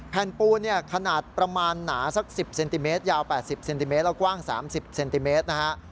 แผ่นปูนเนี่ยขนาดประมาณหนาสัก๑๐เซนติเมตรยาว๘๐เซนติเมตรแล้วกว้าง๓๐เซนติเมตรนะฮะ